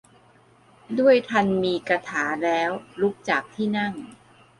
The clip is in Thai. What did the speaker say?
ด้วยธรรมีกถาแล้ว ลุกจากที่นั่ง